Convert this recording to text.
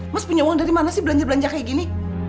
mas punya uang dari mana sih belanja belanja kayak gini